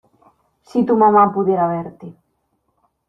¡Si tu mamá pudiera verte!